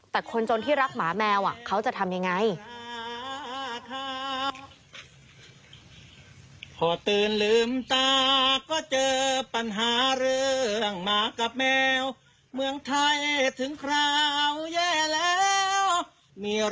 แต่คนจนที่รักหมาแมวเขาจะทำยังไง